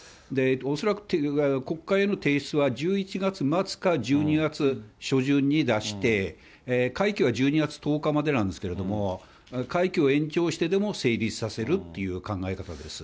恐らく国会の提出は１１月末か、１２月初旬に出して、会期は１２月１０日までなんですけれども、会期を延長してでも成立させるという考え方です。